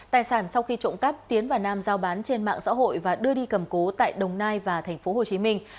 tài sản sau khi trộm cắp tiến và nam giao bán trên mạng xã hội và đưa đi cầm cố tại đồng nai và thành phố hồ chí minh